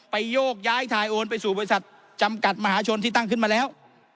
โยกย้ายถ่ายโอนไปสู่บริษัทจำกัดมหาชนที่ตั้งขึ้นมาแล้ว